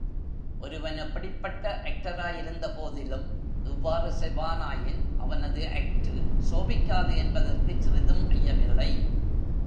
ஒருவன் எப்படிப்பட்ட ஆக்டராயிருந்தபோதிலும், இவ்வாறு செய்வானாயின் அவனது ஆக்டு சோபிக்காது என்பதற்குச் சிறிதும் ஐயமில்லை.